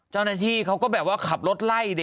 เจ้าหน้าที่เขาก็แบบว่าขับรถไล่ดิ